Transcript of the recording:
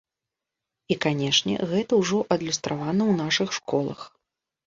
І, канешне, гэта ўжо адлюстравана ў нашых школах.